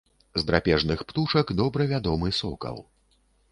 З драпежных птушак добра вядомы сокал.